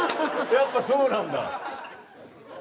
やっぱそうなんだ。